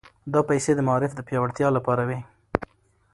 دا پيسې د معارف د پياوړتيا لپاره وې.